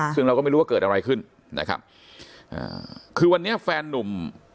ซึ่งเราก็ไม่รู้ว่าเกิดอะไรขึ้นนะครับอ่าคือวันนี้แฟนนุ่ม